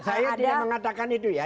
saya tidak mengatakan itu ya